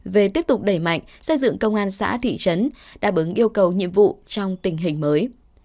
về tiếp tục đẩy mạnh xây dựng công an xã thị trấn đáp ứng yêu cầu nhiệm vụ trong tình hình mới